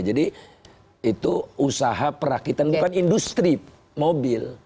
jadi itu usaha perakitan bukan industri mobil